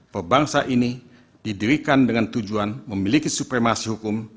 pebangsa ini didirikan dengan tujuan memiliki supremasi hukum